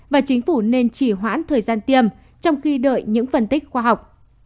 và chính phủ nên chỉ hoãn thời gian tiêm trong khi đợi những phân tích khoa học